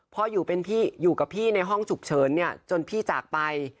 เพราะอยู่เป็นพี่อยู่กับพี่ในห้องฉุกเฉินเนี่ยจนพี่จากไป